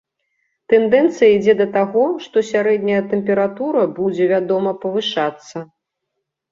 Тэндэнцыя ідзе да таго, што сярэдняя тэмпература будзе, вядома, павышацца.